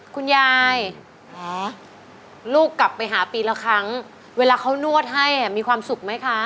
คุณยายลูกกลับไปหาปีละครั้งเวลาเขานวดให้มีความสุขไหมคะ